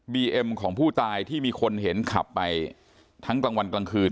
เอ็มของผู้ตายที่มีคนเห็นขับไปทั้งกลางวันกลางคืน